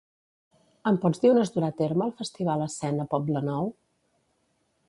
Em pots dir on es durà a terme el Festival Escena Poblenou?